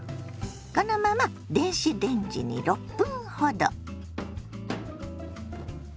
このまま電子レンジに６分ほど。